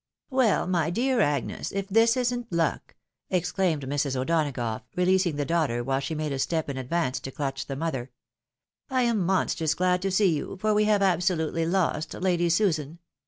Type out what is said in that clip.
" Well ! my dear Agnes! if tliis isn't luck !" exclaimed Mrs. O'Donagough, releasing the daughter while she made a step in advance to clutch the mother. " I am monstrous glad to see you, for we have absolutely lost Lady Susan.